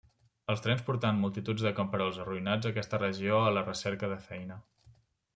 Els trens portaven multituds de camperols arruïnats a aquesta regió a la recerca de feina.